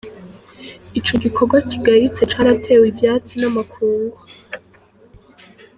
Ico gikorwa kigayitse caratewe ivyatsi n’amakungu.